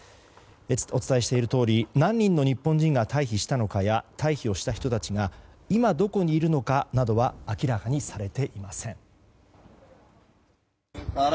お伝えしているとおり何人の日本人が退避したのかや退避をした人たちが今どこにいるかなどは明らかにされていません。